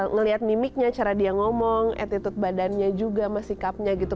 ngelihat mimiknya cara dia ngomong attitude badannya juga sama sikapnya gitu